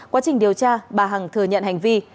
quá trình điều tra bà hằng thừa nhận hành vi